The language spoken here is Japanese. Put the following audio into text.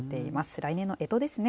来年のえとですね。